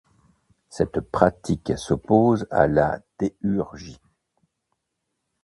Cette pratique s'oppose à la théurgie.